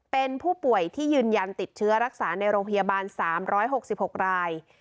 เป็นผู้ป่วยที่ยืนยันติดเชื้อรักษาในโรงพยาบาล๓๖๖ราย